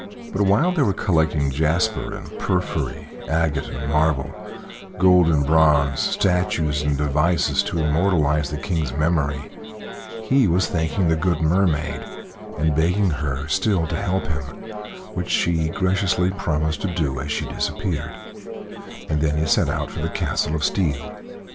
But while they were collecting jasper and porphyry, agate and marble, gold and bronze, statues and devices, to immortalize the King's memory, he was thanking the good Mermaid and begging her still to help him, which she graciously promised to do as she disappeared; and then he set out for the Castle of Steel.